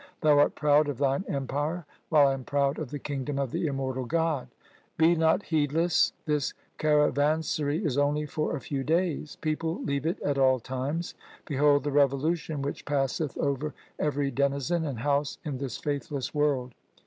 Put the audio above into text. Thou art proud of thine empire, while I am proud of the kingdom of the immortal God. Be not heedless ; this caravansary is only for a few days. People leave it at all times. Behold the revolution which passeth over every denizen and house in this faithless world.